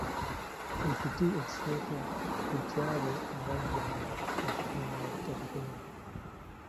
Ekiti ekisooka ky'eky'abo abajjanga kutunula obutunuzi.